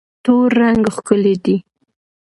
تور رنګ ښکلی دی.